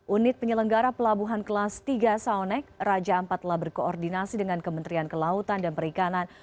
unit penyelenggara pelabuhan kelas tiga soonek raja ampat telah berkoordinasi dengan kementerian kelautan dan perikanan